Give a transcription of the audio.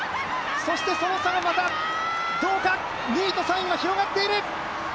そしてその差がまたどうか、２位と３位は広がっている。